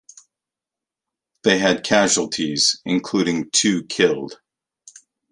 They had casualties, including two killed.